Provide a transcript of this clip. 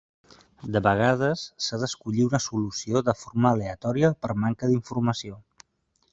De vegades s'ha d'escollir una solució de forma aleatòria per manca d'informació.